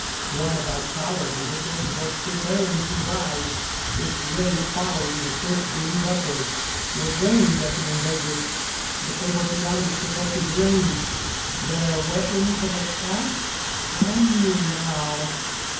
One of our tower vehicles was preparing to rise. Its ray, following the search beams upward, was aimed at the invaders, but they were beyond its effective range. Their weapons of attack? I knew now.